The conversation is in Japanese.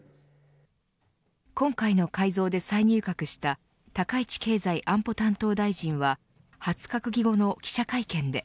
今回の改造で再入閣した高市経済安保担当大臣は初閣議後の記者会見で。